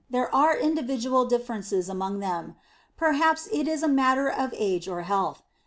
There are individual differences among them. Perhaps it is a matter of age or health.